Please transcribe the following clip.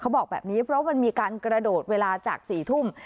บอกแบบนี้เพราะมันมีการกระโดดเวลาจาก๔ทุ่ม